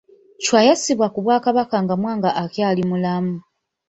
Chwa yassibwa ku Bwakabaka nga Mwanga akyali mulamu.